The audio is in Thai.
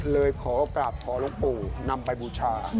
เลยขอกลับขอลงปู่นำไปบูชา